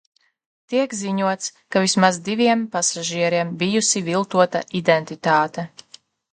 Tiek ziņots, ka vismaz diviem pasažieriem bijusi viltota identitāte.